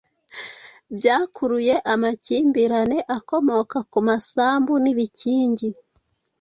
byakuruye amakimbirane akomoka ku masambu n'ibikingi.